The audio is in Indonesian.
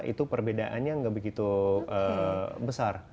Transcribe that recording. itu perbedaannya nggak begitu besar